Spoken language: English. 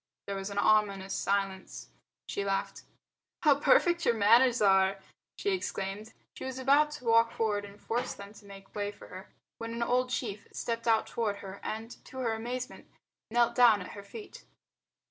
There was an ominous silence. She laughed. "How perfect your manners are!" she exclaimed. She was about to walk forward and force them to make way for her when an old chief stepped out toward her and, to her amazement, knelt down at her feet.